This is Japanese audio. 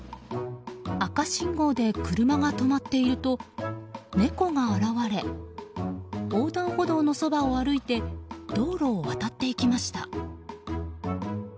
赤信号で車が止まっていると猫が現れ横断歩道のそばを歩いて道路を渡っていきました。